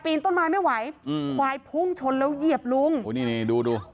ต้นไม้ไม่ไหวอืมควายพุ่งชนแล้วเหยียบลุงโอ้นี่นี่ดูดู